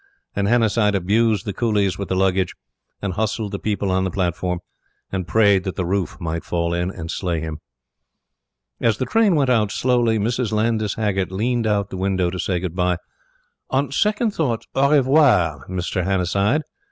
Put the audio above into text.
And Hannasyde abused the coolies with the luggage, and hustled the people on the platform, and prayed that the roof might fall in and slay him. As the train went out slowly, Mrs. Landys Haggert leaned out of the window to say goodbye: "On second thoughts au revoir, Mr. Hannasyde.